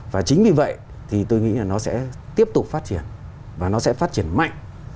và chính vì vậy thì tôi nghĩ là nó sẽ tiếp tục phát triển và nó sẽ phát triển mạnh